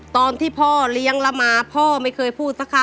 ตอนที่พ่อเลี้ยงแล้วมาพ่อไม่เคยพูดสักค่ะ